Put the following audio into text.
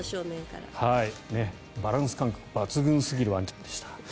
バランス感覚抜群すぎるワンちゃんでした。